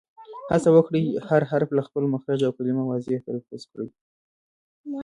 هڅه وکړئ، هر حرف له خپل مخرج او کلیمه واضیح تلفظ کړئ!